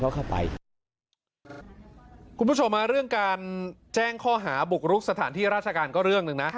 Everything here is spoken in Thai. คุณผู้ชมเรื่องการแจ้งข้อหาบุกรุกสถานที่ราชการก็เรื่องหนึ่งนะ